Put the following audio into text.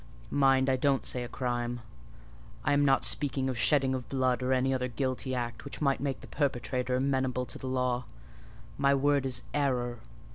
Mind, I don't say a crime; I am not speaking of shedding of blood or any other guilty act, which might make the perpetrator amenable to the law: my word is error.